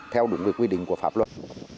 theo đúng quy định của pháp luật